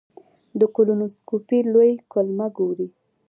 د کولونوسکوپي لوی کولمه ګوري.